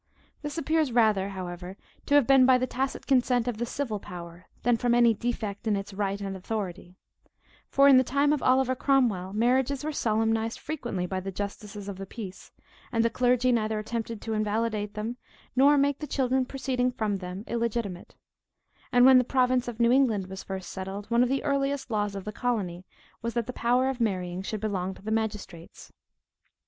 This appears rather, however, to have been by the tacit consent of the civil power, than from any defect in its right and authority; for in the time of Oliver Cromwell, marriages were solemnized frequently by the justices of the peace; and the clergy neither attempted to invalidate them, nor make the children proceeding from them illegitimate; and when the province of New England was first settled, one of the earliest laws of the colony was, that the power of marrying should belong to the magistrates.